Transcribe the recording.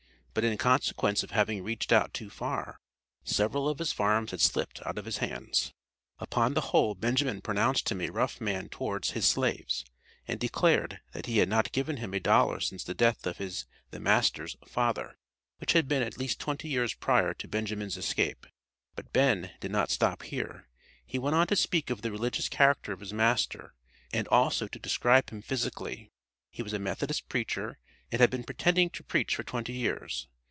But in consequence of having reached out too far, several of his farms had slipped out of his hands. Upon the whole, Benjamin pronounced him a rough man towards his slaves, and declared, that he had not given him a dollar since the death of his (the master's) father, which had been at least twenty years prior to Benjamin's escape. But Ben. did not stop here, he went on to speak of the religious character of his master, and also to describe him physically; he was a Methodist preacher, and had been "pretending to preach for twenty years."